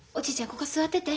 ここ座ってて。